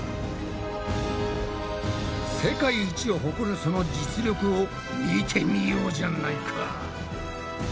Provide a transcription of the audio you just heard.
世界一を誇るその実力を見てみようじゃないか。